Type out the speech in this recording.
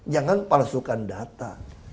jangan palsukan data